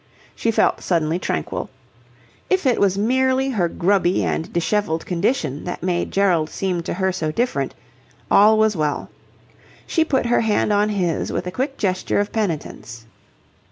She felt suddenly tranquil. If it was merely her grubby and dishevelled condition that made Gerald seem to her so different, all was well. She put her hand on his with a quick gesture of penitence.